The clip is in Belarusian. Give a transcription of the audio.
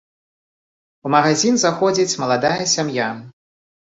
У магазін заходзіць маладая сям'я.